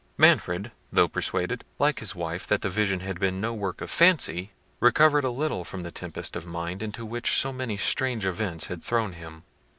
Manfred, though persuaded, like his wife, that the vision had been no work of fancy, recovered a little from the tempest of mind into which so many strange events had thrown him.